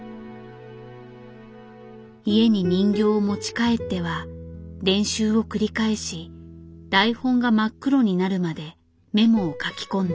家に人形を持ち帰っては練習を繰り返し台本が真っ黒になるまでメモを書き込んだ。